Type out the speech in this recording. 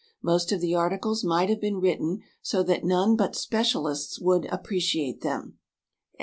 Most of the articles might have been written so that none but specialists would appreciate them."